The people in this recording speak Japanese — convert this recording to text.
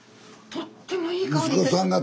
とってもいい香りです。